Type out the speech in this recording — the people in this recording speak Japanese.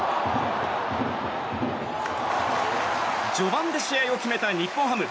序盤で試合を決めた日本ハム。